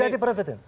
mau jadi presiden